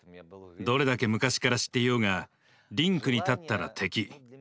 どれだけ昔から知っていようがリンクに立ったら敵。